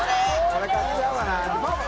これ買っちゃおうかな。